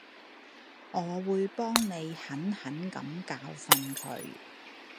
我會幫你狠狠噉教訓佢